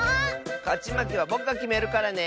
かちまけはぼくがきめるからね。